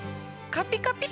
カピカピ？